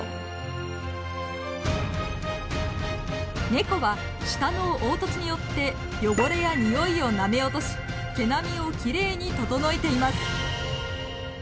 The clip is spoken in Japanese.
ネコは舌の凹凸によって汚れやにおいをなめ落とし毛並みをきれいに整えています。